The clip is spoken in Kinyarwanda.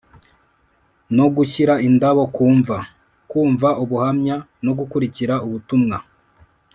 no gushyira indabo ku mva Kumva ubuhamya no gukurikira ubutumwa